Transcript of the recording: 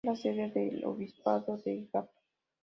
Es la sede del obispado de Gap.